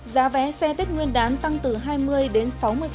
giá vé xe tết nguyên đán tăng từ hai mươi đến sáu mươi